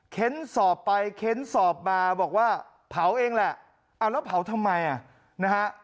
เค้นสอบไปเค้นสอบมาบอกว่าเผาเองแหละเอาแล้วเผาทำไมอ่ะนะฮะ